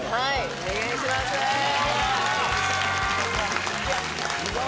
お願いしまーす